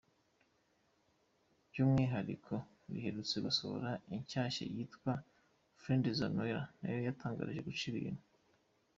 By’umwihariko riherutse gusohora inshyashya yitwa ‘Friendzone’ nayo yatangiye guca ibintu.